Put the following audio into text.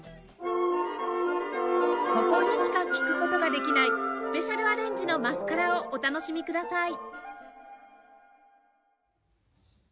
ここでしか聴く事ができないスペシャルアレンジの『マスカラ』をお楽しみください